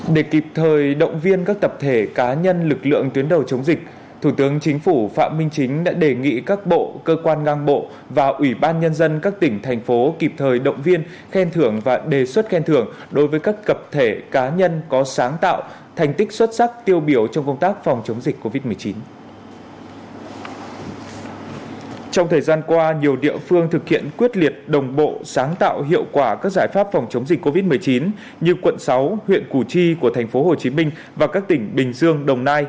để kịp thời động viên các tập thể cá nhân lực lượng tuyến đầu chống dịch thủ tướng chính phủ phạm minh chính đã đề nghị các bộ cơ quan ngang bộ và ủy ban nhân dân các tỉnh thành phố kịp thời động viên khen thưởng và đề xuất khen thưởng đối với các tập thể cá nhân có sáng tạo thành tích xuất sắc tiêu biểu trong công tác phòng chống dịch covid một mươi chín